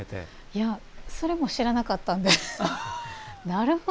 いや、それも知らなかったんで。